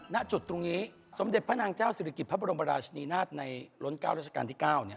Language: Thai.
ณจุดตรงนี้สมเด็จพระนางเจ้าศิริกิจพระบรมราชนีนาฏในล้น๙ราชการที่๙